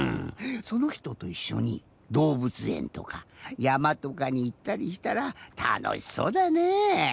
そのひとといっしょにどうぶつえんとかやまとかにいったりしたらたのしそうだね。